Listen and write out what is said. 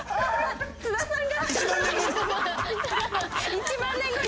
「１万年後に！」。